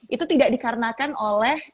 itu tidak dikarenakan oleh